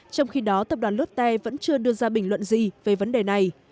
trong khi đó tập đoàn lotte vẫn chưa đưa ra bình luận gì về vấn đề này